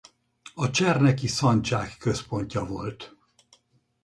A Cserneki szandzsák központja volt.